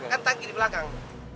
kan tangki di belakang